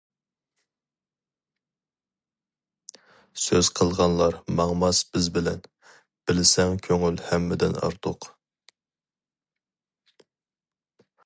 سۆز قىلغانلار ماڭماس بىز بىلەن، بىلسەڭ كۆڭۈل ھەممىدىن ئارتۇق.